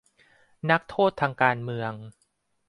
นักโทษการเมือง